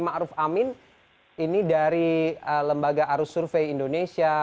ma'ruf amin ini dari lembaga arus survei indonesia